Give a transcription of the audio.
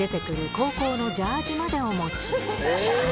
高校のジャージーまでお持ちしかも！